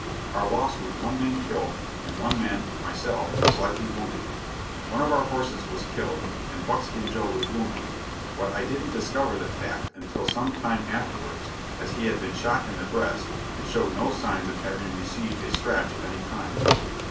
Our loss was one man killed, and one man myself slightly wounded. One of our horses was killed, and Buckskin Joe was wounded, but I didn't discover the fact until some time afterwards as he had been shot in the breast and showed no signs of having received a scratch of any kind.